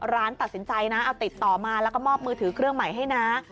ตัดสินใจนะเอาติดต่อมาแล้วก็มอบมือถือเครื่องใหม่ให้นะ